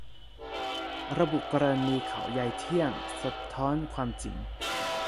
ระบุกรณีเขายายเที่ยง สะท้อนความจริง